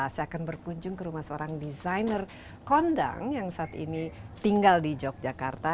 saya akan berkunjung ke rumah seorang desainer kondang yang saat ini tinggal di yogyakarta